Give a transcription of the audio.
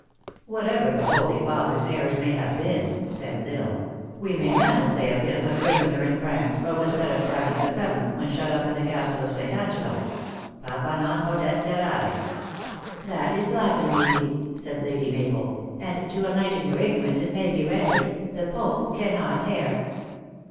" Whatever the holy father s errors may have been," said L Isle, " we may now say of him, a pris oner in France, what was said of Clement the Seventh, when shut up in the Castle of St. Angelo, c Papa non potest err are? " That is Latin, Moodie," said Lady Mabel, " and to enlighten your ignorance it may be rendered, The Pope cannot err.